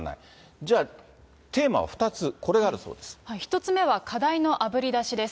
じゃあ、テーマは２つ、１つ目は課題のあぶり出しです。